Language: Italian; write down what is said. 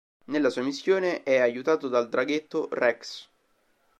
Nella sua missione è aiutato dal draghetto Rex.